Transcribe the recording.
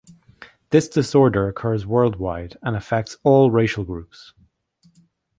This disorder occurs worldwide and affects all racial groups.